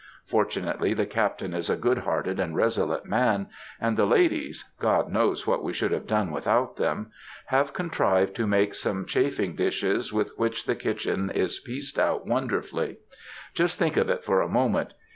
Fortunately the Captain is a good hearted and resolute man, and the ladies—God knows what we should have done without them!—have contrived to make some chafing dishes with which the kitchen is pieced out wonderfully. Just think of it for a moment.